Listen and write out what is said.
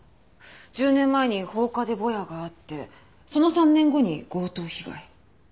１０年前に放火でぼやがあってその３年後に強盗被害。